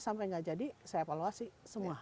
sampai nggak jadi saya evaluasi semua